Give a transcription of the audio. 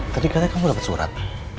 tadi katanya kamu dapet surat